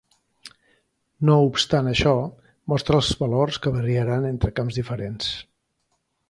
No obstant això, mostra els valors que variaran entre camps diferents.